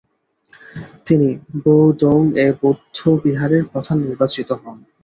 তিনি বো-দোং-এ বৌদ্ধবিহারের প্রধান নির্বাচিত হন।